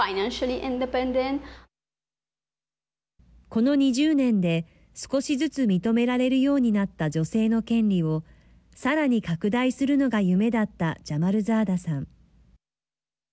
この２０年で少しずつ認められるようになった女性の権利をさらに拡大するのが夢だったジャマルザーダさん。